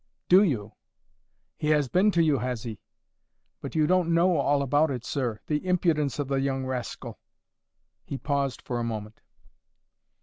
"Do you? He has been to you, has he? But you don't know all about it, sir. The impudence of the young rascal!" He paused for a moment.